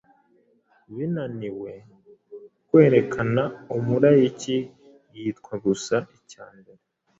binaniwe kwerekana umulayiki yitwa gusa icyambere